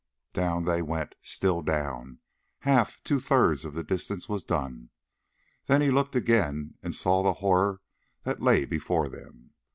Down they went, still down; half—two thirds of the distance was done, then he looked again and saw the horror that lay before them.